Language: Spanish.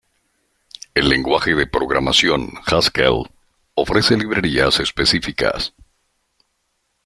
El lenguaje de programación Haskell ofrece librerías específicas.